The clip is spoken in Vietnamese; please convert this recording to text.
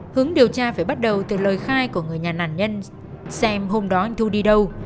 hướng điều tra phải bắt đầu từ lời khai của người nhà nạn nhân xem hôm đó anh thu đi đâu